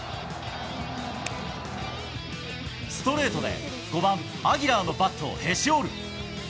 ストレートで５番アギラのバットをへし折る。